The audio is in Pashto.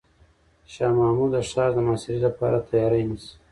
شاه محمود د ښار د محاصرې لپاره تیاری نیسي.